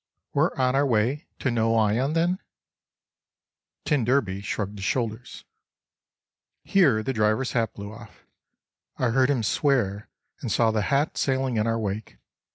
"We're on our way to Noyon, then?" T d shrugged his shoulders. Here the driver's hat blew off. I heard him swear, and saw the hat sailing in our wake.